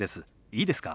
いいですか？